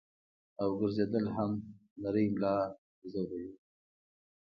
او ګرځېدل هم نرۍ ملا زوري -